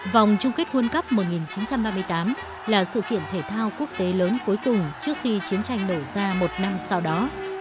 vòng chung kết world cup một nghìn chín trăm ba mươi tám là sự kiện thể thao quốc tế lớn cuối cùng trước khi chiến tranh nổ ra một năm sau đó